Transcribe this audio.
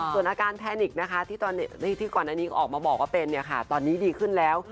ส่วนอาการแพนิกนะคะที่ก่อนอันนี้ออกมาบอกว่าเป็นตอนนี้ดีขึ้นแล้ว